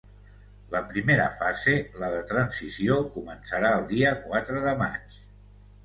La primera fase, la de transició, començarà el dia quatre de maig.